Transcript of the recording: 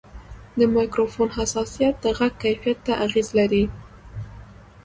د مایکروفون حساسیت د غږ کیفیت ته اغېز لري.